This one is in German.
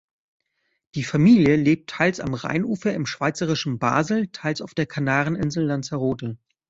Die Familie lebt teils am Rheinufer im schweizerischen Basel, teils auf der Kanareninsel Lanzarote.